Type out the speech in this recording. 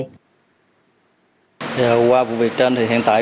qua vụ việc trên thì hiện tại